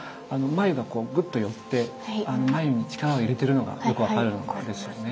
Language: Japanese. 眉がこうぐっと寄って眉に力を入れているのがよく分かるんですよね。